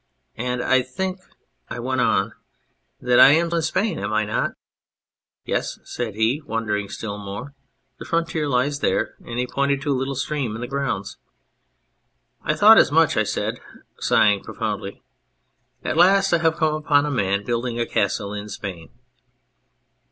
' And I think,' I went on, ' that I am in Spain, am I not ?'( Yes/ said he, wondering still more, ' the frontier lies there ' and he pointed to a little stream in the grounds. ' I thought as much,' I said, sighing profoundly. 'At last I have come upon a man building a castle in Spain.'